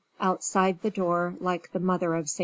OUTSIDE THE DOOR LIKE THE MOTHER OF ST.